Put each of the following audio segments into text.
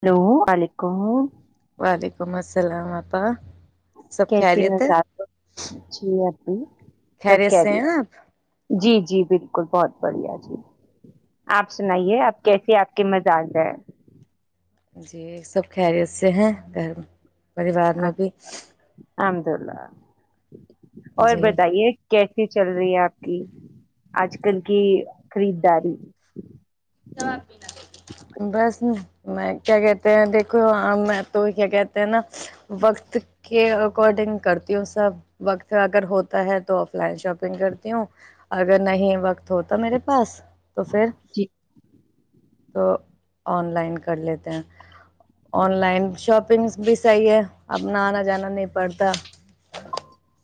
hello وعلیکم وعلیکم السلام آپا سب کیسی میں خیریت ہے ز [unintelligible] نہیںی [unintelligible] سب خیریت کہ سے دیے ہیں آپ جی ج جی بالکل بہت بڑھیا جی آپ سنائیے آپ کیسے آپ کے مز آ جائے جی سب خیریت سے ہیں گھر پریوار میں آپ- بھی الحمد للہ اور جی بتائیے کیسے چل رہی ہے آپ کی آج کل کی خریداری بس میں کیا کہتے ہیں دیکھو میں تو کیا کہتے ہیں نا وقت کے اکارڈنگ کرتی ہوں سب وقت اگر ہوتا ہے تو آف لائن شاپ کرتی ہوں اگر نہیں وقت تو ہوتا میرے پاس تو پھر تو آن لائن کر لیتے ہیں آن لائن شاپنگ بھی صحیح ہے اپنا آنا جانا نہیں پڑتا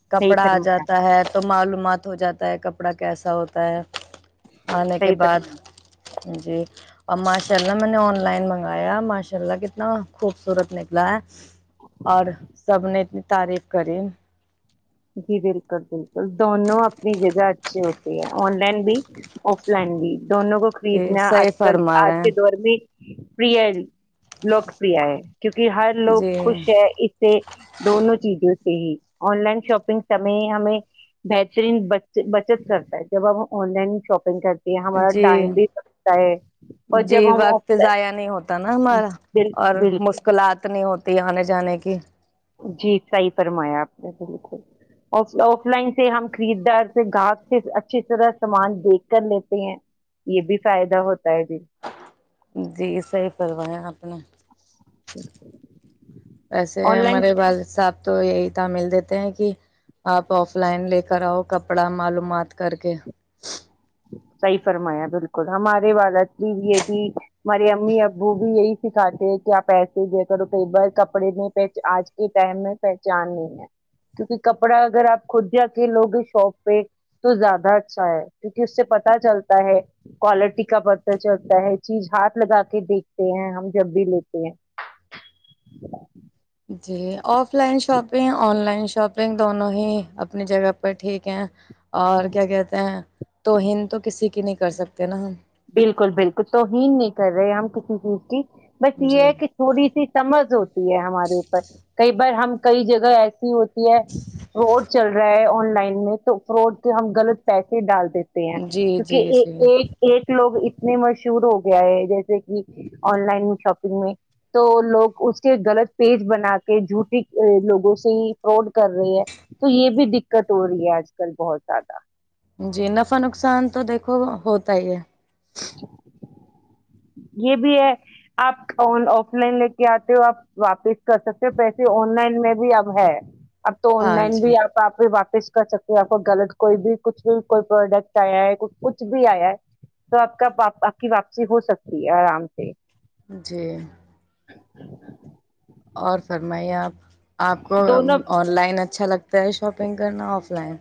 صحیح کپڑا آ فرمایا جاتا ہے تو معلومات ہو جاتا ہے کپڑا کیسا ہوتا ہے آنے کے صحیح بعد فرمایا جی اور ماشاء اللہ میں نے آن لائن منگایا ماشاء اللہ کتنا خوبصورت نکلا ہے اور سب نے تعریف کری جی بالکل بالکل دونوں اپنی جگہ اچھی ہوتی ہیں آن لائن بھی آف لائن بھی دونوں کو جی خریدنا صحیح آج کل فرما آج رہے ہیں کے دور میں پر ہے لوکپ ہے کیونکہ ہر لوگ جی خوش ہے اس سے دونوں چیزوں سے ہی آن لائن شاپ شگ سے ہمیں بہترین بچت کرتا ہے جب ہم آن لائن شاپنگ کرتے ہیں ہمارا جی ٹائم بھی بچتا ہے اور جی جب ہم آف وقت ضائع نہیں ہوتا نا لائن ہمارا بال اور بالکل مشکلات نہیں ہوتی آنے جانے کی جی صحیح فرمایا آپ نے بالکل آف لائن سے ہم خریددار سے گاہک سے اچھی طرح سامان دیکھ کر لیتے ہیں یہ بھی فائدہ ہوتا ہے ج جی صحی کروایایں آپ نے ہ [unintelligible] ویسے ہمارے بال صاحب تو یہی تھا مل دیتے ہیں کہ آپ آف لائن لے کر آؤ کپڑا معلومات کر کے صحیح فرمایا بالکل ہمارے والی بھی یہ بھی ہمارے امی ابو بھی یہی سکھاتے ہیں کہ آپ ایسے د کرو کئی بار کپڑے میں پہچان آج کے ٹائم میں پہچان نہیں ہے کیونکہ کپڑا اگر آپ خود جا کے لوگے شاپ پہ تو زیادہ اچھا ہے کیونکہ اس سے پتا چلتا ہے کوالٹی کا پتا چلتا ہے چیز ہاتھ لگا کے دیکھتے ہیں ہم جب بھی لیتے ہیں جی offline shopping online shopping دونوں ہی اپنی جگہ پر ٹھیک ہیں اور کیا کہتے ہیں تو ہند تو کسی کی نہیں کر سکتے ہیں نا ہم بالکل بالکل تو ہیین نہیں کر رہے ہم کسی چیز کی بس یہ جی ہے کہ تھوڑی سی سمجھ ہوتی ہے ہمارے اوپر کئی بار ہم کئی جگہ ای ہوتی ہے روڈ چل رہا ہے آن لائن لائن میں تو فراڈ کے ہم لط پیسے ڈال دیتے تے ہیں جی جی کیونکہ جی یہ ایک لوگ اتنے مشہور ہو گیا ہے جیسے کہ آن لائن شاپنگ میں تو لوگ اس کے غلط پیج بنا کے جھوٹ لوگوں سے ہی فراڈ کر رہے ہیں تو یہ بھی دقت ہو رہی ہے آج کل بہت زیادہ جی نفع نقصان تو دیکھو ہوتا ہی ہے [inaudible] یہ بھی ہے آپ آف لائن لے کے آتے ہو آپ واپس کر سکتے ہو پیسے آن لائن میں بھی اب ہے اب تو آن ہاں لائن جی بھی آپ آپ واپس کر سکتے آپ کو غلط کوئی بھی کچھ بھی کوئی پروڈکٹ آیا ہے کچھ بھی آیا ہے تو آپ کا آپ کی واپسی ہو سکتی آرام سے جی [inaudible] اور فرمائیے آپ آپ کو دونوں آن لائن اچ اچھا لگتا ہے شاپنگ کرنا آف لائن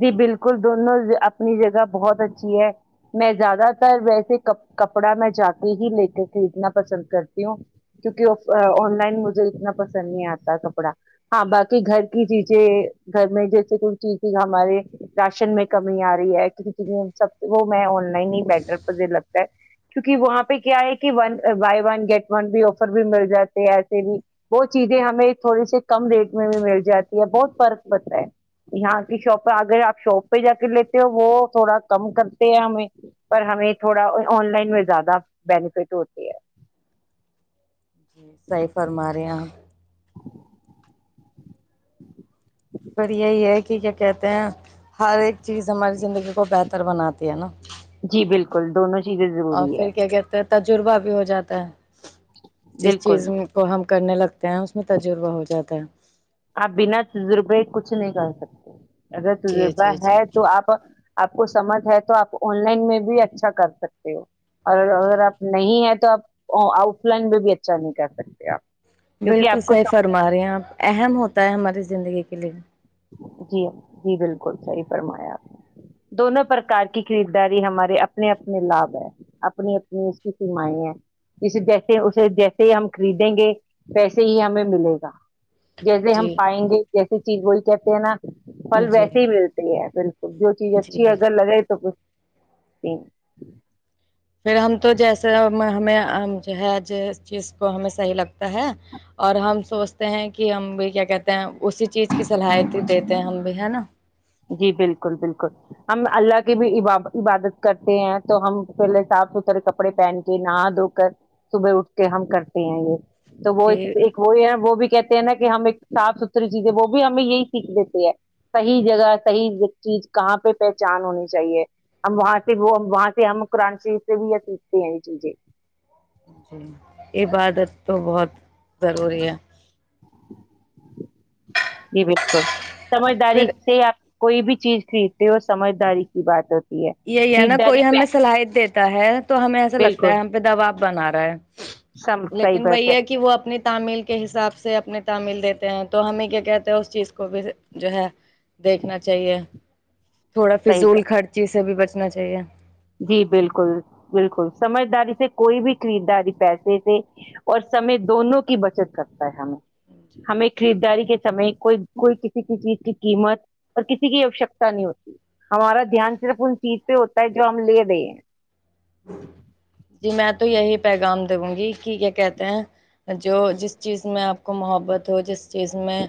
جی بالکل دونوں اپنی جگہ بہت اچھی ہے میں زیادہ تر ویسے کپڑا میں جا کے ہی لے کے خریدنا پسند کرتی ہوں کیوںکہ آن لائن مجھے اتنا پسند نہیں آتا کپڑا ہاں باقی گھر کی چیزیں گھر میں جیسے کوئی چیز ہمارے راشن میں کمی آ رہی ہے کی سب وہ میں آن لائن ہی بیٹر پز لگتا ہے کیوںکہ وہاں پہ کیا ہے کہ بائی ون گیٹ ون بھی آفر بھی مل جاتے ہیں ایسے بھی بہت چیزیں ہمیں تھوڑے سے کم ریٹ میں بھی مل جاتی ہے بہت فرق پڑتا ہے یہاں شاپ اگر آپ شاپ پہ جا کے لیتے ہو وہ تھوڑا کم کرتے ہیں ہمیں پر ہمیں تھوڑا آن لائن میں زیادہ بینیفٹ ہوتی ہے سی فرمارے یہپ پر یہی ہے کہ کیا کہتے ہیں ہر ایک چیز ہماری زندگی کو بہتر بناتی ہے نا جی بالکل دونوں چیزیں اور ضروری ہے پھر کیا کہتے ہیں تجربہ بھی ہو جاتا ہے جس بالکل چیز کو ہم کرنے لگتے ہیں اس میں تجربہ ہو جاتا ہے آپ بنا تجربے کچھ نہیں کر سکتے اگر جی تجربہ جی ہے جی تو آپ آپ کو سمتھ ہے تو آپ آن لائن میں بھی اچھا کر سکتے ہو اور اگر جی آپ نہیں ہیں تو آپ آؤٹ لائن میں بھی اچھا نہیں کر سکتے آپ کیونکہ بالکل آپ کو صحیح سم فرما رہے ہیں آپ اہم ہوتا ہے ہماری زندگی کا فلیم جی جی بالکل صحی فرمایا آپ نے دونوں پرکار کی خریدداری ہمارے اپنے اپنے لابھ ہے اپنی اپنی اس کی سیمائیں ہیں جے جیسے اسے جیسے ہی ہم خریدیں گے ویسے ہی ہمیں ملے گا جیسے ہم جی پائیں گے جیسی چیز بول کیا نا پھل جی ویسیے ہی ملتی ہے بالکل تو جو چیز اچھی ہے جی اگر لگے تو تو پھر ہم تو جیسے ہمیں جو ہے ج چیز کو ہمیں صحیح لگتا ہے اور ہم سوچتے ہیں کہ ہم بھی کیا کہتے ہیں اسی چیز کی صلاحیت دیتے ہیں ہم بھی ہے نا جی بالکل بالکل ہم اللہ کی بھی عبادت کرتے ہیں تو ہم پہلے صاف ستھرے کپڑے پہن کے نہا دھو کر صبح اٹھ کے ہم کرتے ہیں یہ تو وہ جی وہی ہے وہ بھی کہتے نا کہ ہم ایک صاف ستھری چیزیں وہ بھی ہمیں یہی سیکھ دیتے ہیں صحی جگہ حی چیز کہاں پہ پہچان ہونی چاہیے ہم وہاں سے وہ وہاں سے ہم قرآن شریف سے بھی یہ سیکھتے ہیں یہ چیزیں جی یہ بات ا تو بہت ضروری ہے جی بالکل سمجداری پھر سے آپ کوئی بھی چیز خریدتے ہو سمجھداری کی بات ہوتی ہے یہی ہے نا کوئی خریداری ہمیں پہ صلاحیت دیتے تحت تو ہمیں ایسا لگتا بالکل ہے ہم پہ دبااب بنا رہا ہے سم صحیح لیکن بات وہی ہے کہ وہ اپنی تعمیل کے حساب سے اپنے تعمل دیتے ہیں تو تو ہمیں کیا کہتے ہیں اس چیز کو بھی جو ہے دیکھنا چاہیے تھوڑا صحیح فضول خرچ سے بھی بچنا چاہیے جی بالکل بالکل سمجھداری سے کوئی بھی خریداری پیسے سے اور سمے دونوں کی بچت کرکتا ہے ہمیں ہمیں خریداری سمے کوئی کوئی کسی کی چیز کی قیمت اور کسی کی آوشکتا نہیں ہوتی ہمارا دھیان صرف ان چیز پہ ہوتا ہے ہم لیے دے ہ [inaudible] جی میں تو یہی پیغام دوں گی کہ کیا کہتے ہیں جو جس چیز میں آپ کو محبت ہو جس چیز میں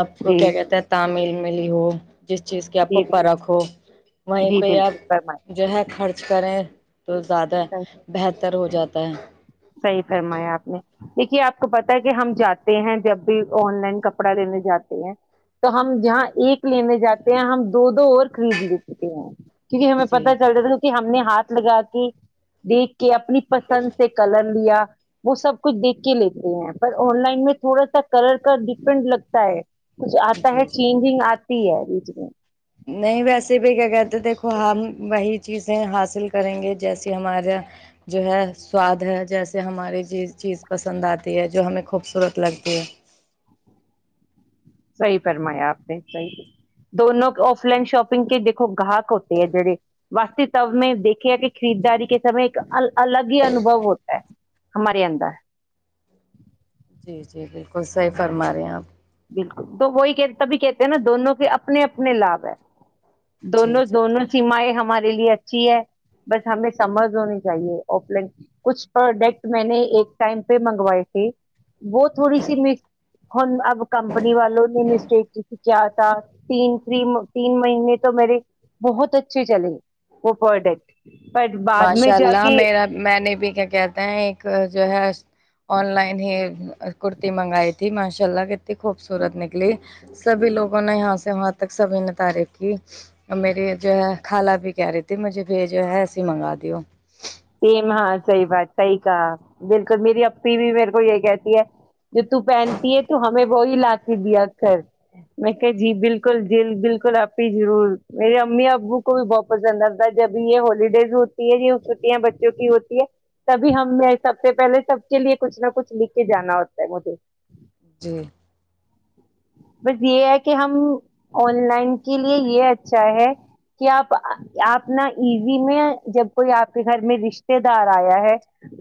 آپ کو کیا جی کہتے ہیں تامل میں ملی ہو جس چیز کی آپ کو جی بالکل، فق ہو وہیں جی پہ آپ بالکل فرمائیے جو ہے خرچ کریں تو زیادہ بہتر بہتر ہو جاتا ہے صحیح فرمایا آپ نے دیکھیے آپ کو پتا ہے کہ ہم جاتے ہیں جب بھی آن لائن کپڑا لینے جاتے ہیں تو ہم جہاں ایک لینے جاتے ہیں ہم دو دو اور خرید لیتے ہیں کیونکہ ہمیں پ جی چل رہ تھا کہ ہم نے ہاتھ لگا کے دیک کہ اپنی پسند سے لیا وہ سب کچھ دیک کے لیتے ہیں پر آن لائن میں تھوڑا سا کلر کا ڈفرنٹ لگتا ہے کچھ آتا جی ہے جی چینجنگ آ ہے بییجلی نہیں ویسے بھی کیا کہتے دیکھو ہم وہی چیزیں حاصل کریں گے جیسے ہمارا جو ہے سواد ہے جیسے ہماری چیز پسند آتی ہے جو ہمیں خوبصورت لگتی ہے صحیح فرمایا آپ نے صحیح دونوں آف لائن شاپنگ کے دیکھو گاہک ہوتے ہے جیڑے واسست میں دیکے گ کہ خریداری کے سمے ایک ال الگ ہی انوبھو ہوتا ہے ہمارے اندر جی جی بالکل صحیح فرما رہے ہیں آپ بالکل تو وہی کہ تبھی کہتے ہیں نا دونوں کے اپنے اپنے لابھ ہے جی دونوں جی دونوں سیمیں ہم ہمارے لیے اچھی ہے بس ہمیں سمجھ ہونی چاہیے آف لائن کچھ پروڈکٹ میں نے ایک ٹائم پہ منگوائے تھی وہ تھوڑی سی م اب کمپنی والوں نے مسٹیک کیا تھا تین تھ تین مہینے تو میرے بہت اچھے چلے وہ پروڈکٹ بٹ بعد میں ماشاء جا اللہ کے میرا میں نے بھی کیا کہتے ہیں ایک جو ہے آن لائن ہی ہ کرتی مگائ ت ماشاء اللہ کتنی خوبصورت نکلی سبھی لوگوں نے یہاں سے وہاں تک سبھی نے تعریف کی میری جو ہے خالہ بھی کہہ رہی تھی مجھے بھی جو ہے اسی منگا دوو سم ہاں صحیح بات صحیح کہا بالکل میری اپھی بھی میرے کو یہ کہتی ہے جو تو پہنتی ہے تو ہمیں وہی لا کے دیا کرھر میں کہ جی بالکل جل بالکل آپ ہی ضرور میرے امی ابو کو بھی بہت پسند آتا ہے جب یہ ہالیڈیز ہوتی ہے یہ بچوں کی ہوتی ہے تبھی ہمیں سب سے پہلے سب کے لیے کچھ نہ کچھ لکھ کے جانا ہوتا ہے مجھے جی بس یہ ہے کہ ہم آن لائن کے لیے یہ اچھا ہے کہ آپ آپنا ایزی میں جب کوئی آپ آپ کے گھر میں رشتے دار آیا ہے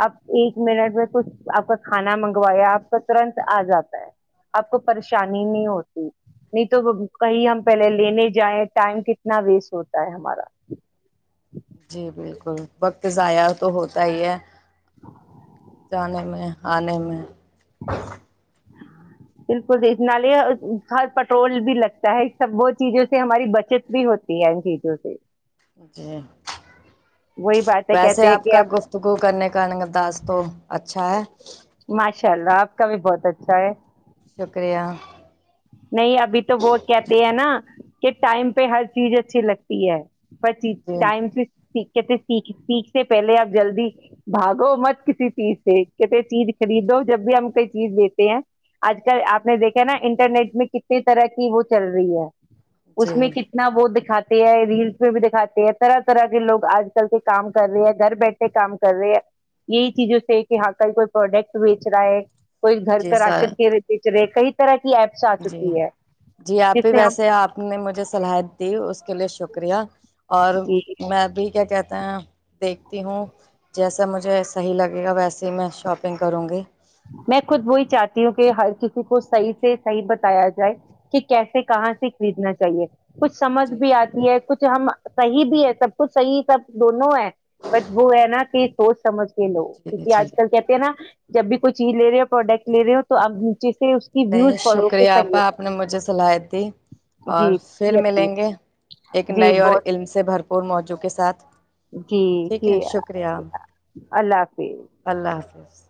آپ ایک منٹ میں کچھ آپ کا کھانا منگوایا آپ کا ترنت آ جاتا ہے آپ کو پریشانی نہیں ہوتی نہیں تو کہیں ہم پہلے لینے جائیں ٹائم کتنا ویسٹ ہوتا ہے ہمارا جی بالکل وقت ضائع تو ہوتا ہی ہے جانے میں آنے میں [unintelligible] بالکل دناے ہر پٹرول بھی لگتا ہے سب وہ چیزوں سے ہماری بچت بھی ہوتی ہے ان چیزوں سے جی وہی باتیں ویسے کہتے ہیں آپ کہ کا گفتگو کرنے کا انداز تو اچھا ہے ان شاء اللہ آپ کا بھی بہت اچھا ہے شکریہ نہیں ابھی تو وہ کہتے ہیں نا کہ ٹائم پہ ہر چیز اچھی لگتی ہے پچ جی ٹائم کہتے سیکھ سیکھ سے پہلے آپ جلدی بھاگو مت کسی چیز سے کہتے چیز خریدو جب بھی ہم کوئی چیز لیتے ہیں آج کل آپ نے دیکھا نا انٹرنیٹ میں کتنی طرح کی وہ چل رہی ہے جی اس میں کتنا وہ دکھاتا ریلس میں بھی دکھاتے ہیں طرح طرح کے لوگ آج کل کے کام کر رہے ہیں گھر بیٹھے کام کر رہے ہیں یہی چیزوں سے کہ ہاں کل کوئی پروڈکٹ بیچ رہا ہے کوئی گھر جی کا سر راشن کیے پچ رہے کئی طرح کی ایپس آ جی چکی ہے جی آپ جس ہی سے ہم ویسے آپ نے مجھے صلاحیت دی اس کے لیے شکریہ اور جی میں اب بھی کیا کہتا میں دیکھتی ہوں جیسا مجھے صحیح لگے گا ویسے ہی میں شاپنگ کروں گی میں خود وہی چاہتی ہوں کہ ہر کسی کو صحیح سے صحیح بتایا جائے کہ کیسے کہاں سے خریدنا چاہیے کچھ سمجھ جی بھی آتی ہے کچھ ہم صحی بھی ہے سب کچھ صحیح سب دونوں ہے بٹ وہ ہے نا کہ سوچ سمجھ کے لو جی کیونکہ جی آج کل کہتے ہیں نا جب بھی ل رہے ہو پروڈکٹ لے رہ ہو تو اب نیچے سے اس کی نہیں ویوز پڑھو کہ شکریہ صحیح آپا ہے آپ نے مجھے صلاحیت دی اور جی جی پھر اپی، ملیں گے ایک جی نئے اور بہت علم سے بھرپور موضوع کے ساتھ جی ج ٹھیک ہے شکریہ اللہ حافظ اللہ حافظ